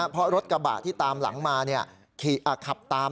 เพราะรถกระบะที่ตามหลังมาขับตาม